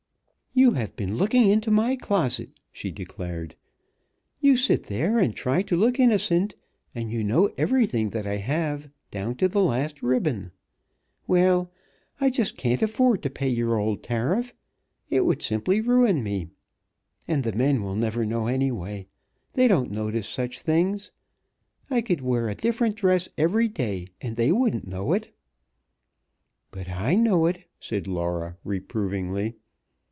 "You have been looking into my closet!" she declared. "You sit there and try to look innocent, and you know everything that I have, down to the last ribbon! Well, I just can't afford to pay your old tariff. It would simply ruin me. And the men will never know, anyway. They don't notice such things. I could wear a different dress every day, and they wouldn't know it." "But I know it," said Laura, reprovingly.